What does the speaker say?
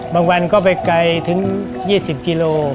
บางวันก็ไปไกลถึง๒๐กิโลกรัม